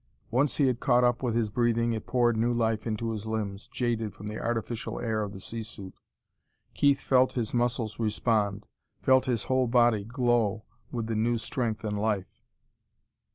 Once he had caught up with his breathing it poured new life into his limbs, jaded from the artificial air of the sea suit. Keith felt his muscles respond, felt his whole body glow with new strength and life.